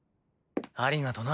ありがとな。